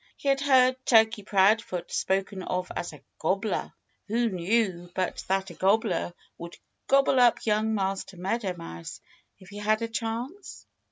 He had heard Turkey Proudfoot spoken of as a "gobbler." Who knew but that a gobbler would gobble up young Master Meadow Mouse if he had a chance?